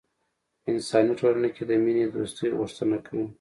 په انساني ټولنه کې د مینې دوستۍ غوښتنه کوي.